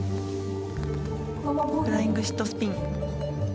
フライングシットスピン。